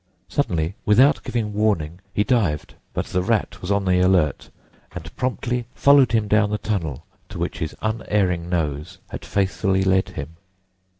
Suddenly, without giving warning, he dived; but the Rat was on the alert, and promptly followed him down the tunnel to which his unerring nose had faithfully led him.